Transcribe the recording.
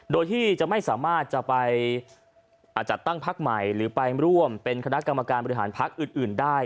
โดยที่จะไม่สามารถจะไปจัดตั้งพักใหม่หรือไปร่วมเป็นคณะกรรมการบริหารพักอื่นได้